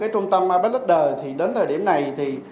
trung tâm apas leaders đến thời điểm này